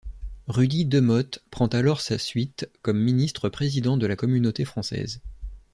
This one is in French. Rudy Demotte prend alors sa suite comme ministre-président de la Communauté française.